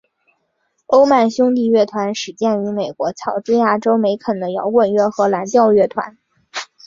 欧曼兄弟乐团始建于美国乔治亚州梅肯的摇滚乐和蓝调乐团。